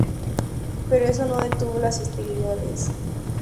Pero eso no detuvo las hostilidades.